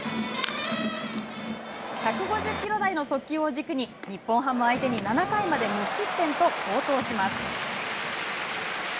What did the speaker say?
１５０キロ台の速球を軸に日本ハム相手に７回まで無失点と好投します。